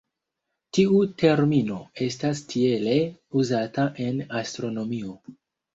Tiu termino estas tiele uzata en astronomio.